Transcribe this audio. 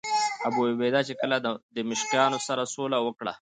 ابوعبیده چې کله له دمشقیانو سره سوله وکړه.